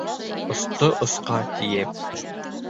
Осто-осҡа, тиеп